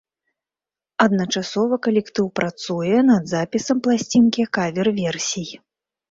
Адначасова калектыў працуе над запісам пласцінкі кавер-версій.